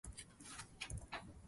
自分に優しく人にはもっと優しく